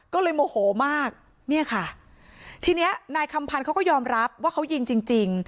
ก็เลยโมโหมากเนี่ยค่ะทีเนี้ยนายคำพันธ์เขาก็ยอมรับว่าเขายิงจริงจริง